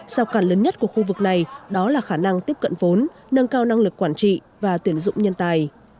sao cản lớn nhất của khu vực này đó là khả năng tiếp cận vốn nâng cao năng lực quản trị và tuyển dụng nhân tài